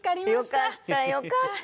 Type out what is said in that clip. よかったよかった。